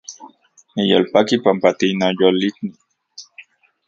Niyolpaki panpa tinoyolikni